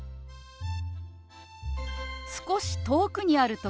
少し遠くにある時。